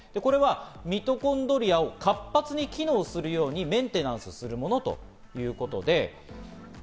ミトコンドリアを活発に機能するようにメンテナンスするものということです。